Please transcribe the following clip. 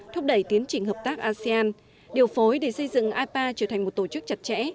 thúc đẩy tiến trình hợp tác asean điều phối để xây dựng ipa trở thành một tổ chức chặt chẽ